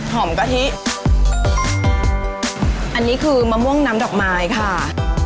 กะทิอันนี้คือมะม่วงน้ำดอกไม้ค่ะ